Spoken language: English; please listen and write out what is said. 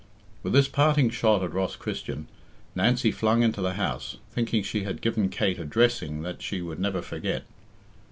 With this parting shot at Ross Christian, Nancy flung into the house, thinking she had given Kate a dressing that she would never forget.